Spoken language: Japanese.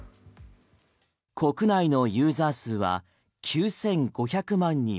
国内のユーザー数は９５００万人。